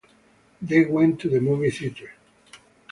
They went to the movie theatre.